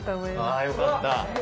ああよかった。